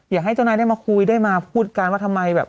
อยากให้เจ้านายได้มาคุยได้มาพูดกันว่าทำไมแบบ